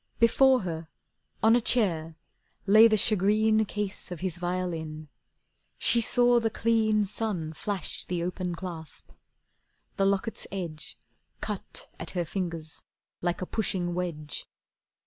Before her, on a chair, lay the shagreen Case of his violin. She saw the clean Sun flash the open clasp. The locket's edge Cut at her fingers like a pushing wedge.